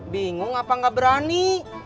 bingung apa gak berani